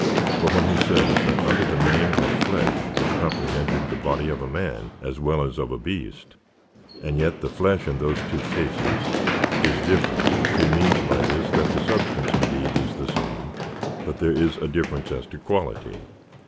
For when he says, that under the name oi flesh is comprehended the body of a man as well as of a beast, and yet the flesh in those two cases is different, he means by this that the substance indeed is the same, but there is a difference as to quality.